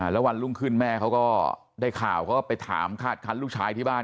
แล้ววันรุ่งขึ้นแม่เขาก็ได้ข่าวเขาก็ไปถามคาดคันลูกชายที่บ้าน